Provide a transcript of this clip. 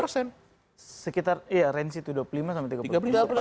sekitar ya range itu dua puluh lima sampai tiga puluh menit